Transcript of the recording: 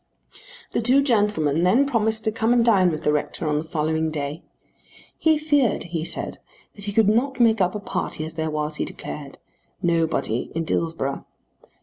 The two gentlemen then promised to come and dine with the rector on the following day. He feared he said that he could not make up a party as there was, he declared, nobody in Dillsborough.